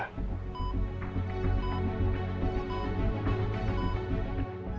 kayla yang sampai sekarang belum juga ditemukan